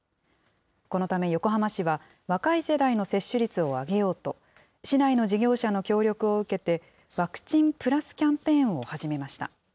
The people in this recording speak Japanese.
このため横浜市は、若い世代の接種率を上げようと、市内の事業者の協力を受けて、ワクチンｐｌｕｓキャンペーンを始めました。